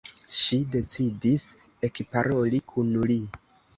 Ŝi decidis ekparoli kun li.